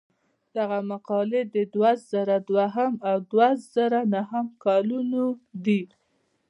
دغه مقالې د دوه زره دویم او دوه زره نهم کلونو دي.